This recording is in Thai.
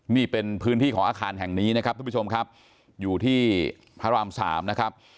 นี่เป็นพื้นที่ของอาคารแห่งนี้นะครับทุกผู้ชมครับอยู่ที่พระรามสามนะครับ